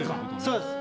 そうです。